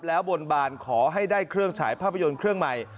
แล้วบนบานขอให้ได้เครื่องฉายภาพยนตร์เครื่องใหม่